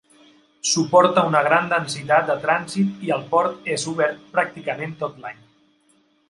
Suporta una gran densitat de trànsit i el port és obert pràcticament tot l'any.